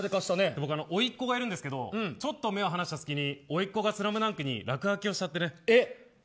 おいっ子がいるんですけどちょっと目を離したすきにおいっ子がスラムダンクに落書きしてね。